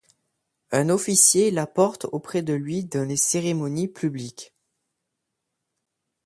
Un officier la porte auprès de lui dans les cérémonies publiques.